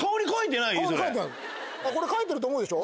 これ書いてると思うでしょ？